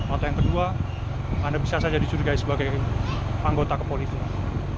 atau yang kedua anda bisa saja dicurigai sebagai anggota kepolisian